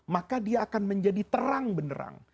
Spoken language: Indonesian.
maka dia akan menjadi terang benerang